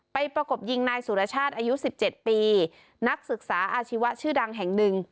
ประกบยิงนายสุรชาติอายุ๑๗ปีนักศึกษาอาชีวะชื่อดังแห่งหนึ่ง